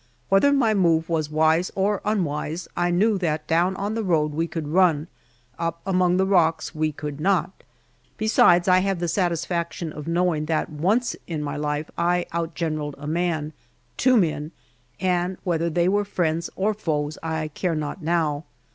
Whether my move was wise or unwise, I knew that down on the road we could run up among the rocks we could not. Besides, I have the satisfaction of knowing that once in my life I outgeneraled a man two men and whether they were friends or foes I care not now.